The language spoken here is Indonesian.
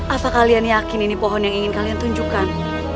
apa kalian yakin ini pohon yang ingin kalian tunjukkan